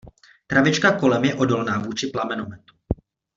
Travička kolem je odolná vůči plamenometu...